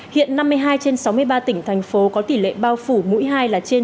hiện năm mươi hai trên sáu mươi ba tỉnh thành phố có tỷ lệ bao phủ mũi hai là trên chín mươi